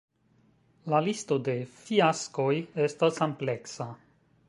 La listo de fiaskoj estas ampleksa.